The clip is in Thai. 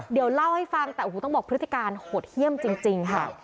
เดี๋ยวเล่าให้ฟังแต่โอ้โหต้องบอกพฤติการโหดเยี่ยมจริงค่ะ